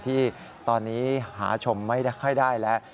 ที่ตอนนี้หาชมไม่ค่อยได้แล้ว